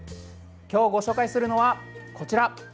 今日ご紹介するのは、こちら。